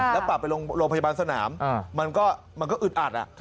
แล้วปรับไปโรงพยาบาลสนามมันก็อึดอัด